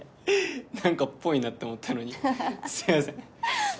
なんかぽいなって思ったのにすいませんハハハ